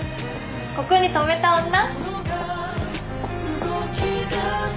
ここに泊めた女？